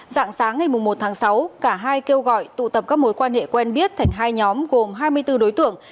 dạng sáng ngày một tháng sáu cả hai kêu gọi tụ tập các mối quan hệ quen biết thành hai nhóm gồm hai mươi bốn đối tượng